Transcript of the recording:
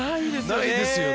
ないですよね。